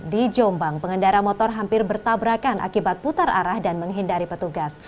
di jombang pengendara motor hampir bertabrakan akibat putar arah dan menghindari petugas